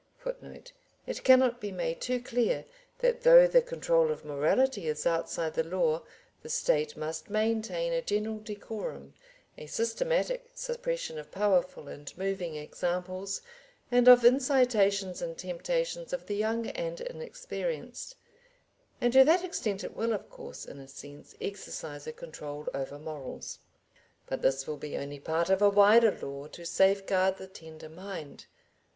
[Footnote: It cannot be made too clear that though the control of morality is outside the law the State must maintain a general decorum, a systematic suppression of powerful and moving examples, and of incitations and temptations of the young and inexperienced, and to that extent it will, of course, in a sense, exercise a control over morals. But this will be only part of a wider law to safeguard the tender mind.